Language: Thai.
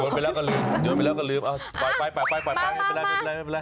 โยนไปแล้วก็ลืมโยนไปแล้วก็ลืมปล่อยเป็นไร